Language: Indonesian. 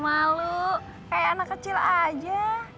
jangan malu malu kayak anak kecil aja